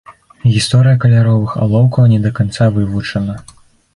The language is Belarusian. Гісторыя каляровых алоўкаў не да канца вывучана.